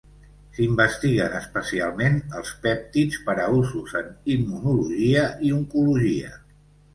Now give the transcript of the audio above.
S'investiguen especialment els pèptids per a usos en immunologia i oncologia.